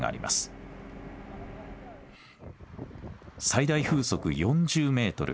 最大風速３５メートル